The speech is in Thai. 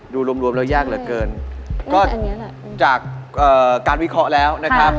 ดูรวมแล้วยากเหลือเกินก็จากการวิเคราะห์แล้วนะครับ